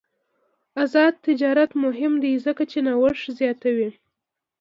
آزاد تجارت مهم دی ځکه چې نوښت زیاتوي.